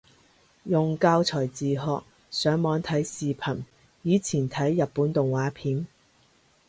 用教材自學，上網睇視頻，以前睇日本動畫片